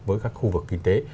với các khu vực kinh tế